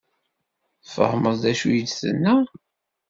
Tfehmem d acu i d-tenna?